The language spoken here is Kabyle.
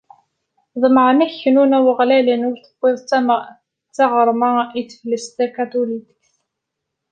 Ḍemεen ad knun waɣlanen ur tewwiḍ tɣerma i teflest takatulikt.